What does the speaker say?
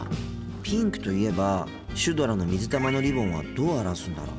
ピンクといえばシュドラの水玉のリボンはどう表すんだろう。